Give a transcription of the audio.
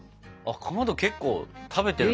かまど結構食べてるんだ？